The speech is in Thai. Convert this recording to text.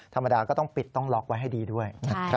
ธรรมดาก็ต้องปิดต้องล็อกไว้ให้ดีด้วยนะครับ